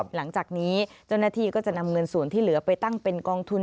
หลังจากนี้เจ้าหน้าที่ก็จะนำเงินส่วนที่เหลือไปตั้งเป็นกองทุน